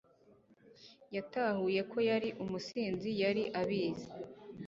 yatahuye ko yari umusinzi. yari abizi